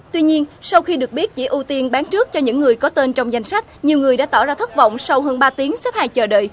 tuy nhiên sau khi được biết chỉ ưu tiên bán trước cho những người có tên trong danh sách nhiều người đã tỏ ra thất vọng sau hơn ba tiếng xếp hàng chờ đợi